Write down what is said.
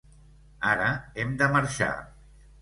Ara hem de marxar.